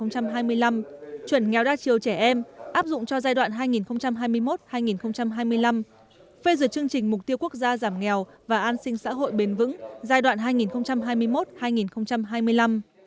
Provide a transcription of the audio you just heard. chuẩn nghèo đa chiều trẻ em áp dụng cho giai đoạn hai nghìn hai mươi một hai nghìn hai mươi năm phê dựa chương trình mục tiêu quốc gia giảm nghèo và an sinh xã hội bền vững giai đoạn hai nghìn hai mươi một hai nghìn hai mươi năm